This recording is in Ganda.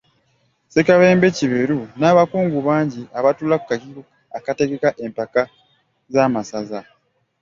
Ssekabembe Kiberu n'abakungu bangi abatuula ku kakiiko akategeka empaka z'amasaza.